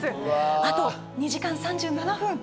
あと２時間３７分。